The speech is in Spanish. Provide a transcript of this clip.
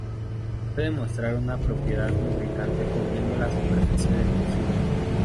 Puede mostrar una propiedad lubricante cubriendo la superficie del tejido.